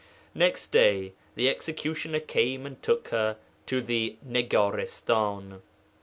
Next day the executioner came and took her to the Nigaristan.